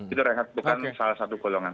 itu rehat bukan salah satu golongan